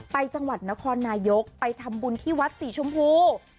จังหวัดนครนายกไปทำบุญที่วัดสีชมพู